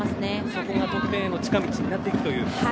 そこが得点への近道になっていくと。